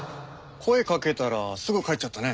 声かけたらすぐ帰っちゃったね。